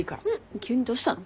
急にどうしたの？